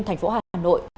thành phố hà nội